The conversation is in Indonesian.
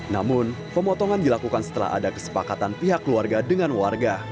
namun pemotongan dilakukan setelah ada kesepakatan pihak keluarga dengan warga